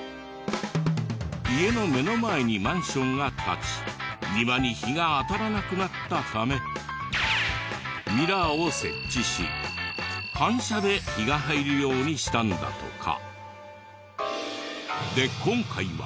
家の目の前にマンションが建ち庭に日が当たらなくなったためミラーを設置し反射で日が入るようにしたんだとか。